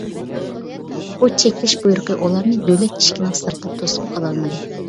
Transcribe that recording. بۇ چەكلەش بۇيرۇقى ئۇلارنى دۆلەت ئىشىكىنىڭ سىرتىدا توسۇپ قالالمىدى.